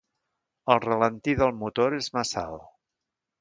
El ralentí del motor és massa alt.